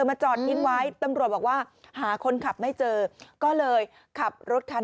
มาจอดทิ้งไว้ตำรวจบอกว่าหาคนขับไม่เจอก็เลยขับรถคัน